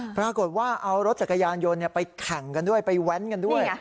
ปรากฏว่าเอารถจักรยานยนต์ไปแข่งกันด้วยไปแว้นกันด้วย